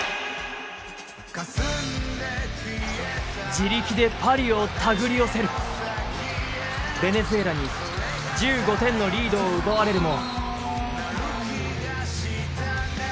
自力でパリを手繰り寄せるベネズエラに１５点のリードを奪われるも。